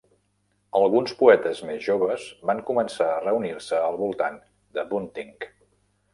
Alguns poetes més joves van començar a reunir-se al voltant de Bunting.